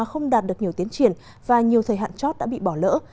không đạt được nhiều tiến triển và nhiều thời hạn chót đã bị bỏ lỡ